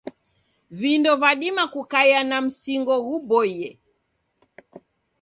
Vindo vadima kukaia na mzingo ghuboie.